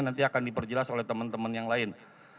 nanti akan diperjelas oleh teman teman yang lain